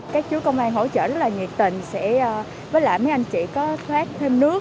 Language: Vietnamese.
các chú công an hỗ trợ rất là nhiệt tình sẽ với lại mấy anh chị có thoát thêm nước